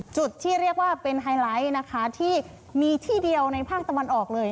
ที่เรียกว่าเป็นไฮไลท์นะคะที่มีที่เดียวในภาคตะวันออกเลย